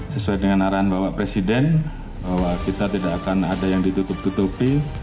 sesuai dengan arahan bapak presiden bahwa kita tidak akan ada yang ditutup tutupi